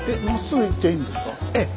ええ。